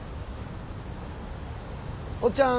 おっちゃん